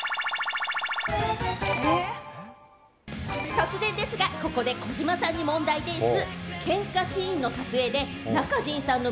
突然ですが、ここで児嶋さんに問題でぃす。